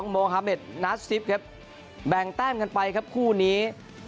๒๒โมฮาเมดมาฮูนและทศเจ็บอีรักษ์ครับแบ่งแต้มกันไปครับคู่นี้